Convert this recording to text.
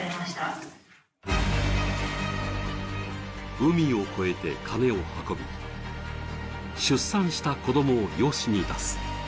海を越えて金を運び、出産した子供を養子に出す。